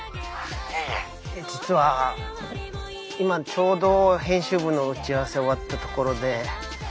実は今ちょうど編集部の打ち合わせ終わったところで。